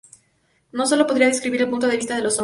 No sólo podría describir el punto de vista de los hombres"".